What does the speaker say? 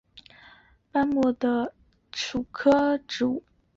柴胡状斑膜芹是伞形科斑膜芹属的植物。